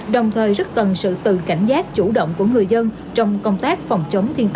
đồng thời rất cần sự tự cảnh giác chủ động của người dân trong công tác phòng chống thiên tai